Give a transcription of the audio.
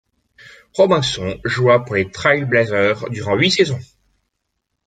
Robinson joua pour les Trail Blazers durant huit saisons.